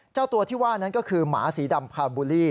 เจ้าตัวที่ว่านั้นก็คือหมาสีดำพาบูลลี่